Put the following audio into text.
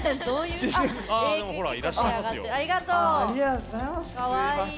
ありがとうございます。